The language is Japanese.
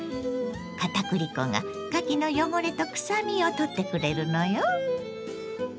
片栗粉がかきの汚れとくさみを取ってくれるのよ。